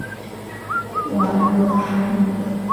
瓦勒海姆。